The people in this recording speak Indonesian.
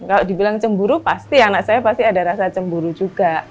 kalau dibilang cemburu pasti anak saya pasti ada rasa cemburu juga